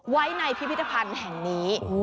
ไว้ในพิพิธภัณฑ์แห่งนี้